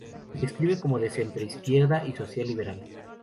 Se describe como de centro-izquierda y social liberal.